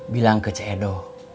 bilang ke cik edo